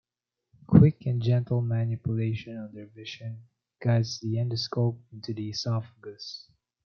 Quick and gentle manipulation under vision guides the endoscope into the esophagus.